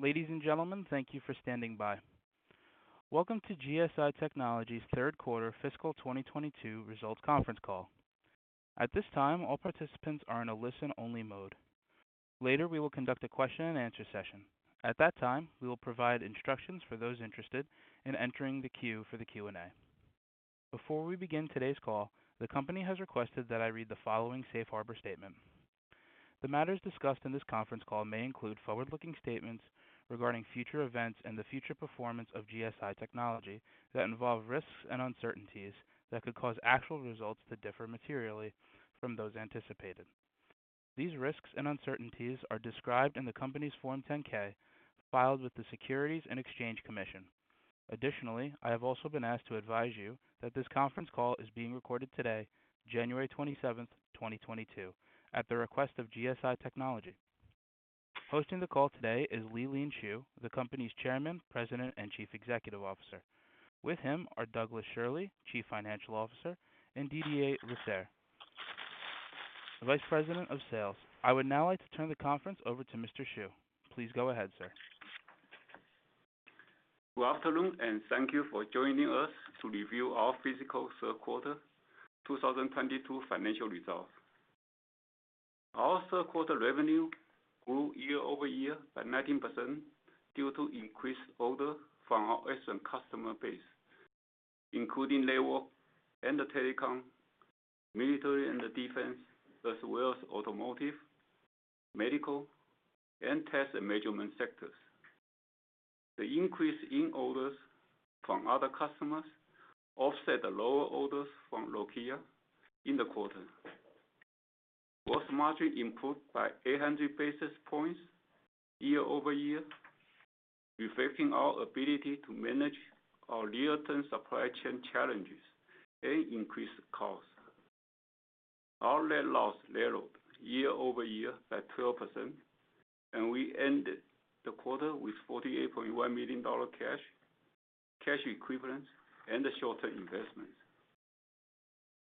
Ladies and gentlemen, thank you for standing by. Welcome to GSI Technology's third quarter fiscal 2022 results conference call. At this time, all participants are in a listen-only mode. Later, we will conduct a question and answer session. At that time, we will provide instructions for those interested in entering the queue for the Q&A. Before we begin today's call, the company has requested that I read the following safe harbor statement. The matters discussed in this conference call may include forward-looking statements regarding future events and the future performance of GSI Technology that involve risks and uncertainties that could cause actual results to differ materially from those anticipated. These risks and uncertainties are described in the company's Form 10-K filed with the Securities and Exchange Commission. Additionally, I have also been asked to advise you that this conference call is being recorded today, January 27, 2022, at the request of GSI Technology. Hosting the call today is Lee-Lean Shu, the company's Chairman, President, and Chief Executive Officer. With him are Douglas Schirle, Chief Financial Officer, and Didier Lasserre, Vice President of Sales. I would now like to turn the conference over to Mr. Shu. Please go ahead, sir. Good afternoon, and thank you for joining us to review our fiscal third quarter 2022 financial results. Our third quarter revenue grew year-over-year by 19% due to increased orders from our existing customer base, including networking and telecom, military and defense, as well as automotive, medical, and test and measurement sectors. The increase in orders from other customers offset the lower orders from Nokia in the quarter. Gross margin improved by 800 basis points year-over-year, reflecting our ability to manage our near-term supply chain challenges and increased costs. Our net loss narrowed year-over-year by 12%, and we ended the quarter with $48.1 million dollar cash equivalents, and short-term investments.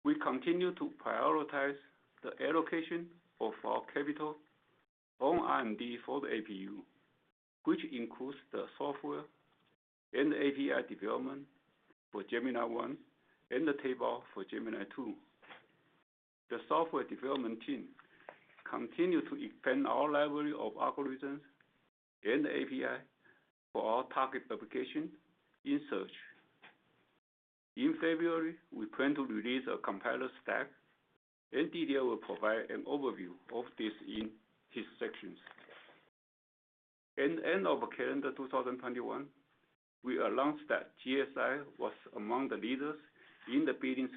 We continue to prioritize the allocation of our capital on R&D for the APU, which includes the software and API development for Gemini One and the table for Gemini Two. The software development team continue to expand our library of algorithms and API for our target application in search. In February, we plan to release a compiler stack, and Didier will provide an overview of this in his sections. At the end of calendar 2021, we announced that GSI was among the leaders in the Big ANN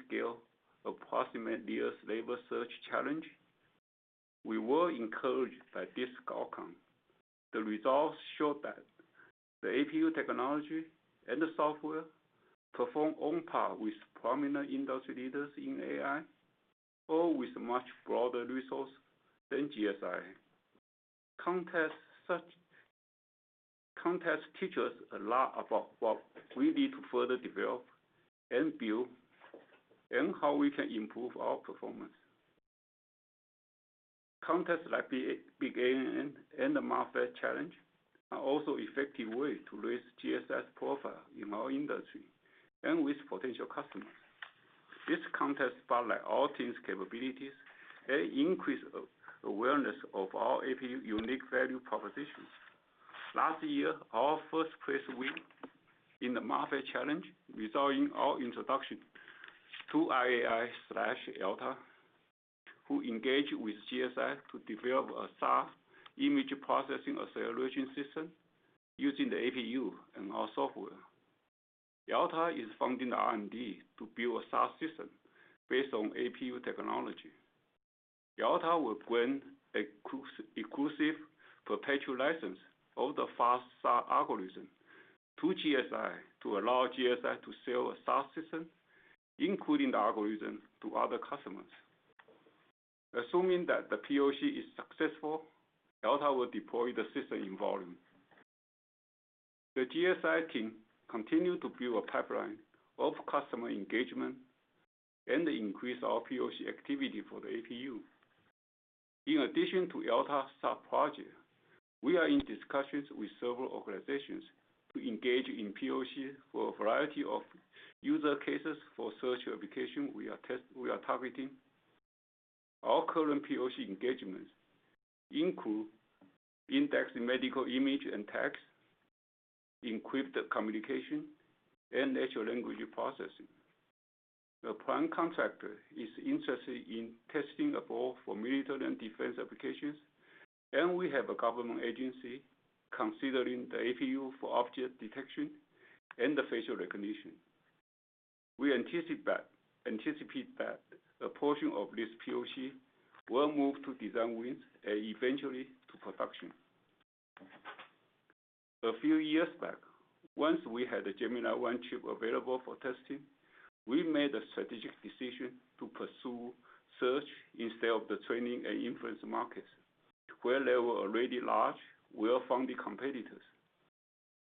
approximate nearest neighbor search challenge. We were encouraged by this outcome. The results showed that the APU technology and the software performed on par with prominent industry leaders in AI, or with much broader resources than GSI. The contest taught us a lot about what we need to further develop and build and how we can improve our performance. Contests like Big-ANN and the MAFAT challenge are also effective way to raise GSI's profile in our industry and with potential customers. This contest spotlight our team's capabilities and increase awareness of our APU unique value propositions. Last year, our first place win in the MATFAIT challenge resulting in our introduction to IAI/ELTA, who engaged with GSI to develop a SaaS image processing acceleration system using the APU and our software. ELTA is funding the R&D to build a SaaS system based on APU technology. ELTA will grant exclusive perpetual license of the FastSAR algorithm to GSI to allow GSI to sell a SAR system, including the algorithm, to other customers. Assuming that the POC is successful, ELTA will deploy the system in volume. The GSI team continue to build a pipeline of customer engagement and increase our POC activity for the APU. In addition to ELTA's SaaS project, we are in discussions with several organizations to engage in POC for a variety of use cases for search applications we are targeting. Our current POC engagements include indexing medical images and text, encrypted communication, and natural language processing. A prime contractor is interested in testing our APU for military and defense applications, and we have a government agency considering the APU for object detection and facial recognition. We anticipate that a portion of this POC will move to design wins and eventually to production. A few years back, once we had the Gemini One chip available for testing, we made a strategic decision to pursue search instead of the training and inference markets where there were already large, well-funded competitors.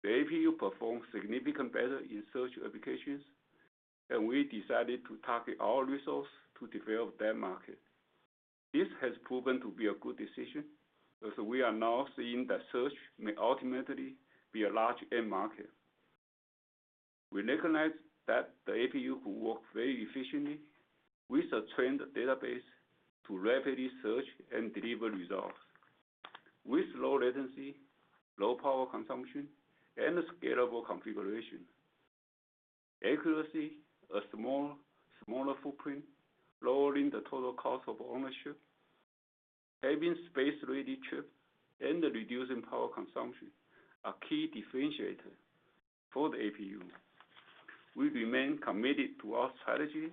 The APU performs significantly better in search applications, and we decided to target our resources to develop that market. This has proven to be a good decision, as we are now seeing that search may ultimately be a large end market. We recognize that the APU could work very efficiently with a trained database to rapidly search and deliver results with low latency, low power consumption, and a scalable configuration. Accuracy, a smaller footprint, lowering the total cost of ownership, having space-ready chip, and reducing power consumption are key differentiator for the APU. We remain committed to our strategy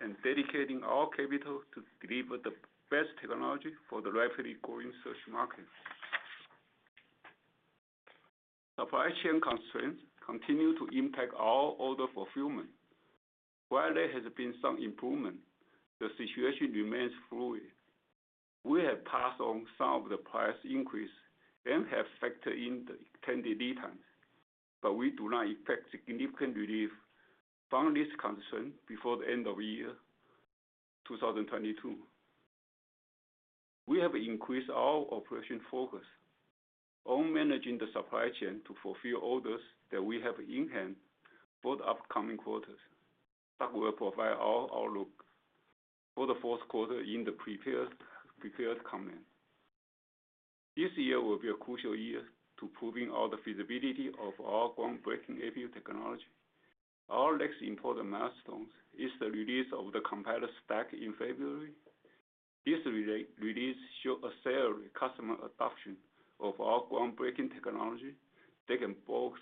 and dedicating our capital to deliver the best technology for the rapidly growing search market. Supply chain constraints continue to impact our order fulfillment. While there has been some improvement, the situation remains fluid. We have passed on some of the price increase and have factored in the extended lead time, but we do not expect significant relief from this concern before the end of 2022. We have increased our operational focus on managing the supply chain to fulfill orders that we have in hand for the upcoming quarters. Doug will provide our outlook for the fourth quarter in the prepared comments. This year will be a crucial year to proving out the feasibility of our groundbreaking APU technology. Our next important milestones is the release of the compiler stack in February. This release should accelerate customer adoption of our groundbreaking technology that can both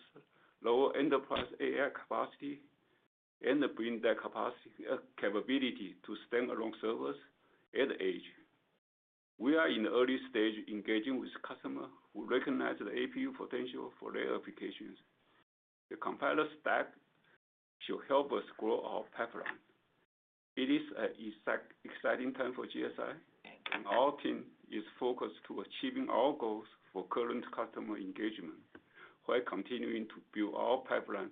lower enterprise AI capacity and bring that capability to stand-alone servers at the edge. We are in the early stage engaging with customer who recognize the APU potential for their applications. The compiler stack should help us grow our pipeline. It is an exciting time for GSI, and our team is focused to achieving our goals for current customer engagement while continuing to build our pipeline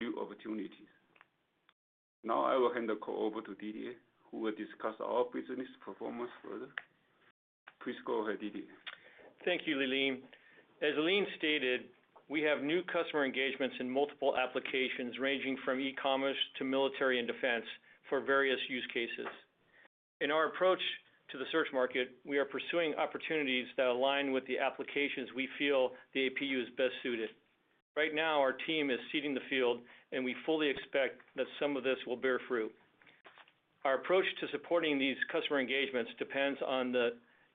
new opportunities. Now I will hand the call over to Didier, who will discuss our business performance further. Please go ahead, Didier. Thank you, Lee-Lean. As Lee-Lean stated, we have new customer engagements in multiple applications ranging from e-commerce to military and defense for various use cases. In our approach to the search market, we are pursuing opportunities that align with the applications we feel the APU is best suited. Right now, our team is seeding the field, and we fully expect that some of this will bear fruit. Our approach to supporting these customer engagements depends on the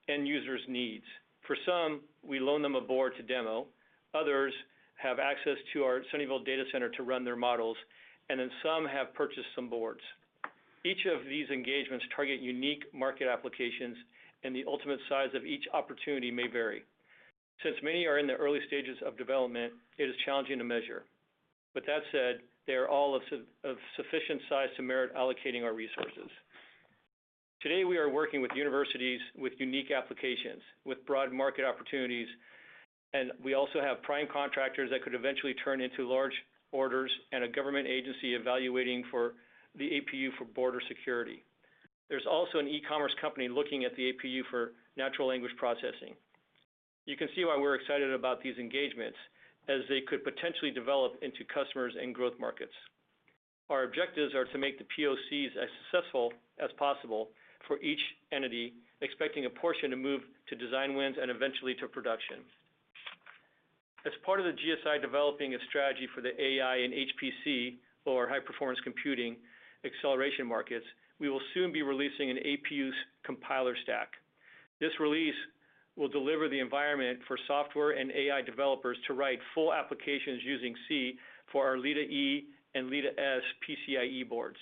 end user's needs. For some, we loan them a board to demo, others have access to our Sunnyvale data center to run their models, and then some have purchased some boards. Each of these engagements target unique market applications, and the ultimate size of each opportunity may vary. Since many are in the early stages of development, it is challenging to measure. That said, they are all of sufficient size to merit allocating our resources. Today, we are working with universities with unique applications, with broad market opportunities, and we also have prime contractors that could eventually turn into large orders and a government agency evaluating for the APU for border security. There's also an e-commerce company looking at the APU for natural language processing. You can see why we're excited about these engagements as they could potentially develop into customers and growth markets. Our objectives are to make the POCs as successful as possible for each entity, expecting a portion to move to design wins and eventually to production. As part of the GSI developing a strategy for the AI and HPC or high-performance computing acceleration markets, we will soon be releasing an APU's compiler stack. This release will deliver the environment for software and AI developers to write full applications using C for our LiDAR-E and LiDAR-S PCIe boards.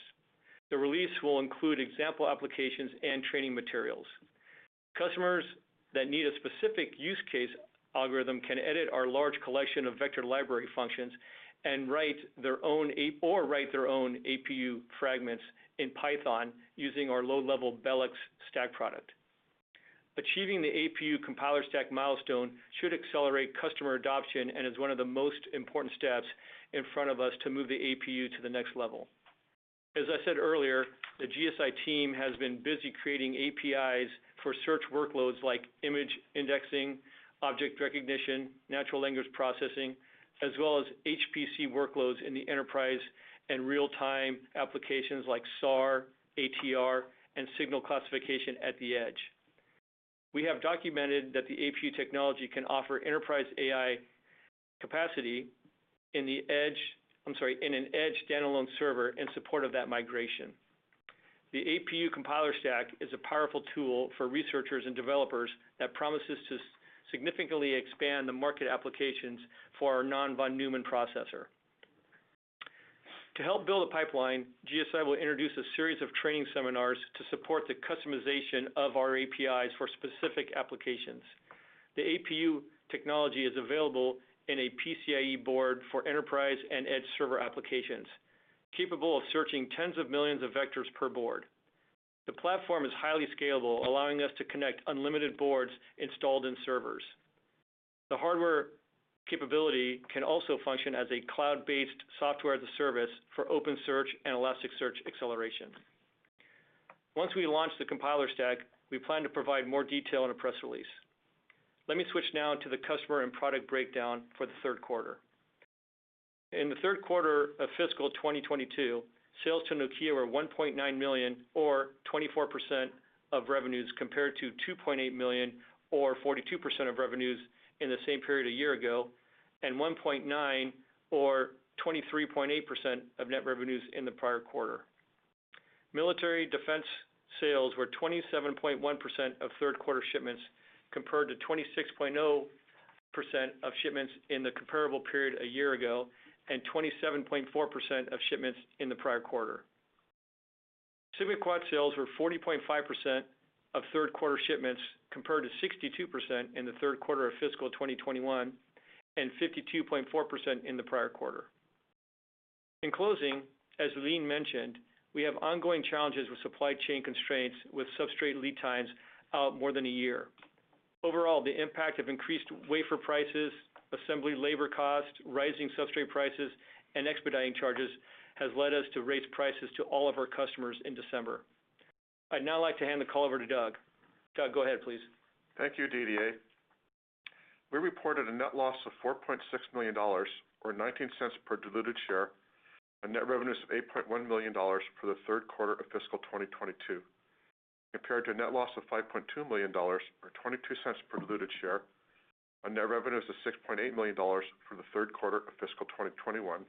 The release will include example applications and training materials. Customers that need a specific use case algorithm can edit our large collection of vector library functions and write their own APU fragments in Python using our low-level Belex stack product. Achieving the APU compiler stack milestone should accelerate customer adoption and is one of the most important steps in front of us to move the APU to the next level. As I said earlier, the GSI team has been busy creating APIs for search workloads like image indexing, object recognition, natural language processing, as well as HPC workloads in the enterprise and real-time applications like SAR, ATR, and signal classification at the edge. We have documented that the APU technology can offer enterprise AI capacity in an edge stand-alone server in support of that migration. The APU compiler stack is a powerful tool for researchers and developers that promises to significantly expand the market applications for our non-Von Neumann processor. To help build a pipeline, GSI will introduce a series of training seminars to support the customization of our APIs for specific applications. The APU technology is available in a PCIe board for enterprise and edge server applications, capable of searching tens of millions of vectors per board. The platform is highly scalable, allowing us to connect unlimited boards installed in servers. The hardware capability can also function as a cloud-based software as a service for OpenSearch and Elasticsearch acceleration. Once we launch the compiler stack, we plan to provide more detail in a press release. Let me switch now to the customer and product breakdown for the third quarter. In the third quarter of fiscal 2022, sales to Nokia were $1.9 million or 24% of revenues, compared to $2.8 million or 42% of revenues in the same period a year ago, and $1.9 million or 23.8% of net revenues in the prior quarter. Military defense sales were 27.1% of third quarter shipments, compared to 26.0% of shipments in the comparable period a year ago, and 27.4% of shipments in the prior quarter. SRAM Quad sales were 40.5% of third quarter shipments, compared to 62% in the third quarter of fiscal 2021, and 52.4% in the prior quarter. In closing, as Lee mentioned, we have ongoing challenges with supply chain constraints, with substrate lead times out more than a year. Overall, the impact of increased wafer prices, assembly labor costs, rising substrate prices, and expediting charges has led us to raise prices to all of our customers in December. I'd now like to hand the call over to Doug. Doug, go ahead please. Thank you, Didier. We reported a net loss of $4.6 million or $0.19 per diluted share, on net revenues of $8.1 million for the third quarter of fiscal 2022, compared to a net loss of $5.2 million or $0.22 per diluted share on net revenues of $6.8 million for the third quarter of fiscal 2021,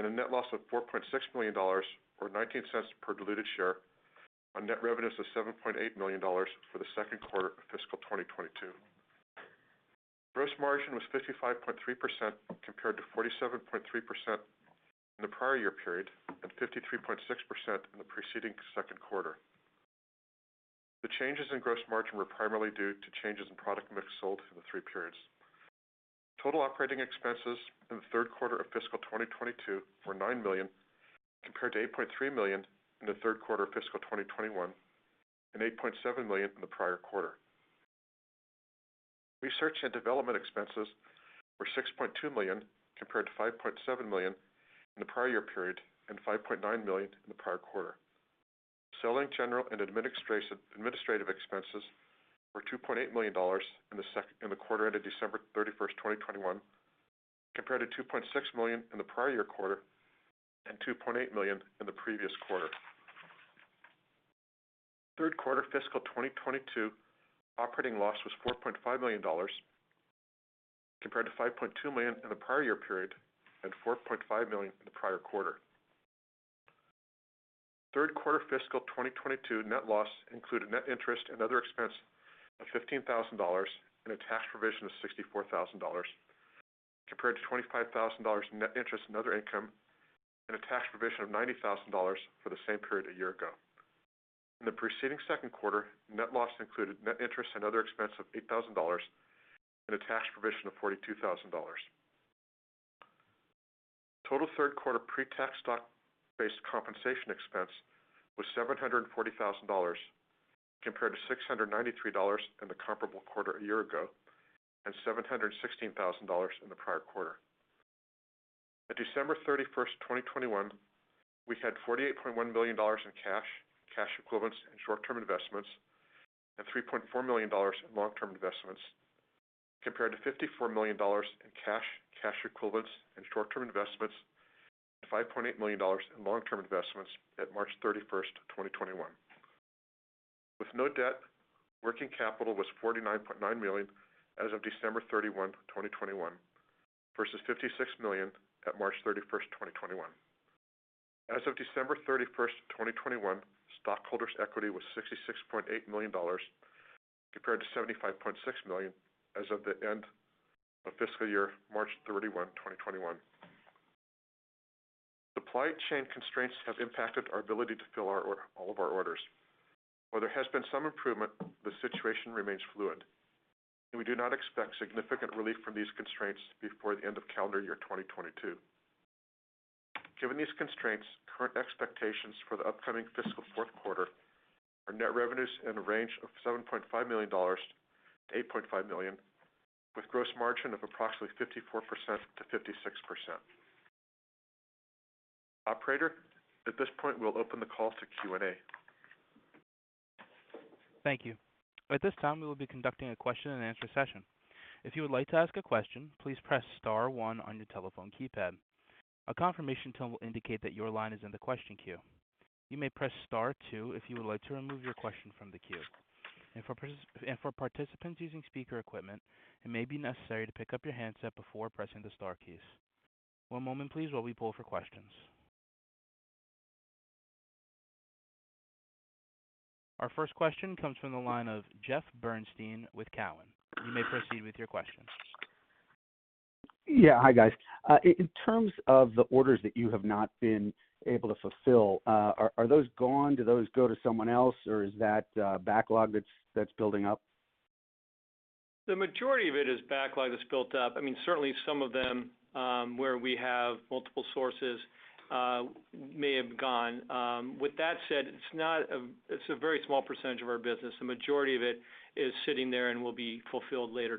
and a net loss of $4.6 million or $0.19 per diluted share on net revenues of $7.8 million for the second quarter of fiscal 2022. Gross margin was 55.3% compared to 47.3% in the prior year period, and 53.6% in the preceding second quarter. The changes in gross margin were primarily due to changes in product mix sold in the three periods. Total operating expenses in the third quarter of fiscal 2022 were $9 million, compared to $8.3 million in the third quarter of fiscal 2021, and $8.7 million in the prior quarter. Research and development expenses were $6.2 million, compared to $5.7 million in the prior year period and $5.9 million in the prior quarter. Selling, general, and administrative expenses were $2.8 million in the quarter ended December 31, 2021, compared to $2.6 million in the prior year quarter and $2.8 million in the previous quarter. Third quarter fiscal 2022 operating loss was $4.5 million, compared to $5.2 million in the prior year period and $4.5 million in the prior quarter. Third quarter fiscal 2022 net loss included net interest and other expense of $15,000 and a tax provision of $64,000, compared to $25,000 in net interest and other income and a tax provision of $90,000 for the same period a year ago. In the preceding second quarter, net loss included net interest and other expense of $8,000 and a tax provision of $42,000. Total third quarter pre-tax stock-based compensation expense was $740,000, compared to $693 in the comparable quarter a year ago, and $716,000 in the prior quarter. At December 31st, 2021, we had $48.1 million in cash equivalents and short-term investments, and $3.4 million in long-term investments, compared to $54 million in cash equivalents and short-term investments, and $5.8 million in long-term investments at March 31st, 2021. With no debt, working capital was $49.9 million as of December 31, 2021, versus $56 million at March 31st, 2021. As of December 31st, 2021, stockholders' equity was $66.8 million, compared to $75.6 million as of the end of fiscal year March 31, 2021. Supply chain constraints have impacted our ability to fill all of our orders. While there has been some improvement, the situation remains fluid, and we do not expect significant relief from these constraints before the end of calendar year 2022. Given these constraints, current expectations for the upcoming fiscal fourth quarter are net revenues in the range of $7.5 million-$8.5 million, with gross margin of approximately 54%-56%. Operator, at this point, we'll open the call to Q&A. Thank you. At this time, we will be conducting a question and answer session. If you would like to ask a question, please press star one on your telephone keypad. A confirmation tone will indicate that your line is in the question queue. You may press star two if you would like to remove your question from the queue. For participants using speaker equipment, it may be necessary to pick up your handset before pressing the star keys. One moment please while we poll for questions. Our first question comes from the line of Jeff Bernstein with Cowen. You may proceed with your question. Yeah. Hi, guys. In terms of the orders that you have not been able to fulfill, are those gone? Do those go to someone else or is that backlog that's building up? The majority of it is backlog that's built up. I mean, certainly some of them, where we have multiple sources, may have gone. With that said, it's a very small percentage of our business. The majority of it is sitting there and will be fulfilled later.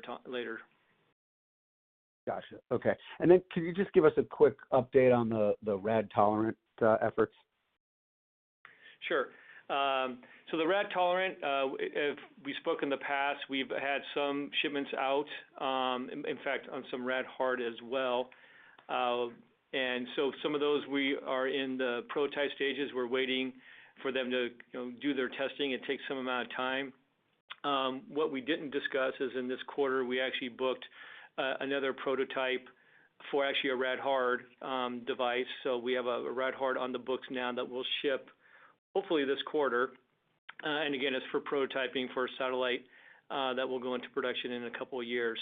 Gotcha. Okay. Could you just give us a quick update on the rad-tolerant efforts? Sure. So the rad-tolerant, we spoke in the past, we've had some shipments out, in fact, on some rad-hard as well. Some of those we are in the prototype stages. We're waiting for them to, you know, do their testing. It takes some amount of time. What we didn't discuss is in this quarter we actually booked another prototype for actually a rad-hard device. We have a rad-hard on the books now that will ship hopefully this quarter. Again, it's for prototyping for a satellite that will go into production in a couple of years.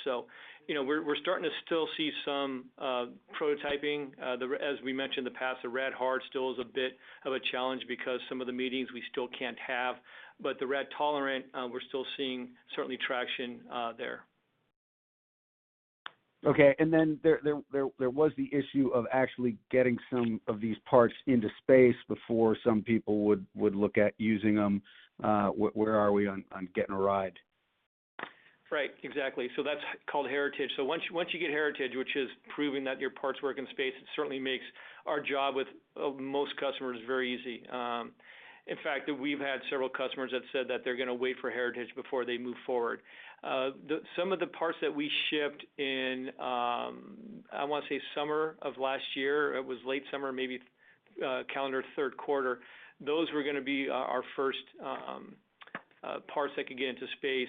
You know, we're starting to still see some prototyping. As we mentioned in the past, the rad-hard still is a bit of a challenge because some of the meetings we still can't have. The rad-tolerant, we're still seeing certainly traction there. Okay. There was the issue of actually getting some of these parts into space before some people would look at using them. Where are we on getting a ride? Right. Exactly. That's called heritage. Once you get heritage, which is proving that your parts work in space, it certainly makes our job with most customers very easy. In fact, we've had several customers that said that they're gonna wait for heritage before they move forward. Some of the parts that we shipped in I wanna say summer of last year, it was late summer, maybe calendar third quarter. Those were gonna be our first parts that could get into space.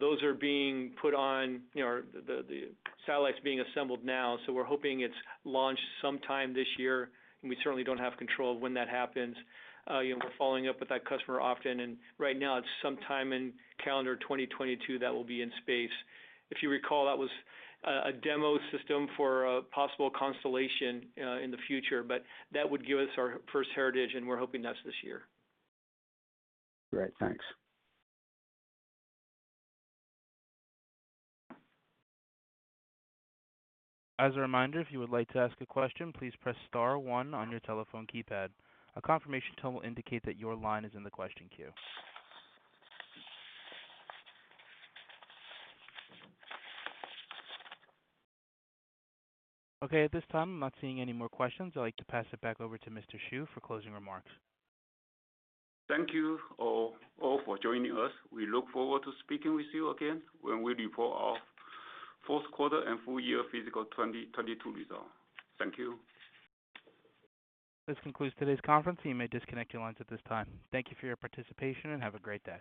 Those are being put on, you know. The satellite's being assembled now, we're hoping it's launched sometime this year, and we certainly don't have control of when that happens. You know, we're following up with that customer often, and right now it's sometime in calendar 2022 that will be in space. If you recall, that was a demo system for a possible constellation in the future, but that would give us our first heritage, and we're hoping that's this year. Great. Thanks. As a reminder, if you would like to ask a question, please press star one on your telephone keypad. A confirmation tone will indicate that your line is in the question queue. Okay, at this time, I'm not seeing any more questions. I'd like to pass it back over to Mr. Shu for closing remarks. Thank you all for joining us. We look forward to speaking with you again when we report our fourth quarter and full year fiscal 2022 results. Thank you. This concludes today's conference. You may disconnect your lines at this time. Thank you for your participation, and have a great day.